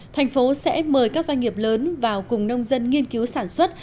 thành phố sẽ mời các doanh nghiệp lớn vào cùng nông dân nghiên cứu sản xuất